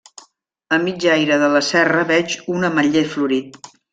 A mig aire de la serra veig un ametller florit.